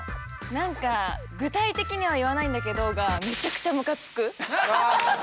何か「具体的には言わないんだけど」がめちゃくちゃむかつく。